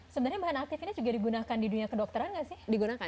sebenarnya bahan aktif ini juga digunakan di dunia kedokteran nggak sih